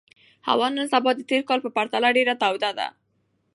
هوا نن سبا د تېر کال په پرتله ډېره توده ده.